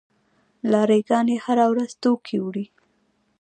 لاری ګانې هره ورځ توکي وړي.